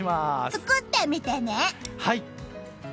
作ってみてね！